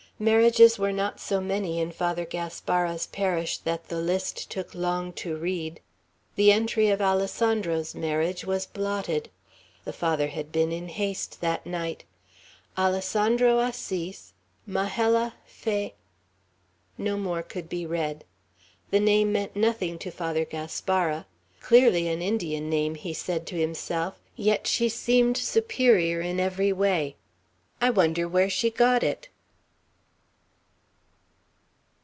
Marriages were not so many in Father Gaspara's parish, that the list took long to read. The entry of Alessandro's marriage was blotted. The Father had been in haste that night. "Alessandro Assis. Majella Fa " No more could be read. The name meant nothing to Father Gaspara. "Clearly an Indian name," he said to himself; "yet she seemed superior in every way. I wonder where she got it."